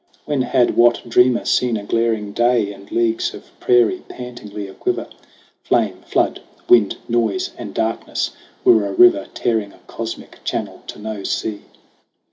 When had what dreamer seen a glaring day And leagues of prairie pantingly aquiver ? Flame, flood, wind, noise and darkness were a river Tearing a cosmic channel to no sea.